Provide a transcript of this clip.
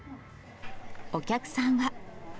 お客さんは。